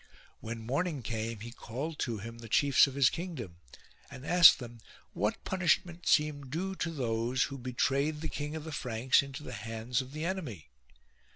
When morning came he called to him the chiefs of his kingdom, and asked them what punishment seemed due to those who betrayed the King of the Franks into the hands ot the enemy.